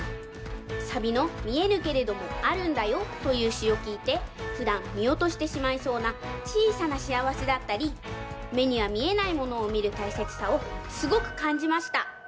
サビの「見えぬけれどもあるんだよ」というしをきいてふだんみおとしてしまいそうなちいさなしあわせだったりめにはみえないものをみるたいせつさをすごくかんじました。